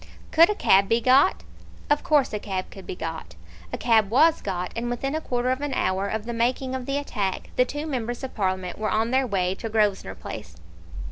Could a cab be got? Of course a cab could be got. A cab was got, and within a quarter of an hour of the making of the attack, the two members of Parliament were on their way to Grosvenor Place.